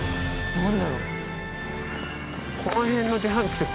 何だろう？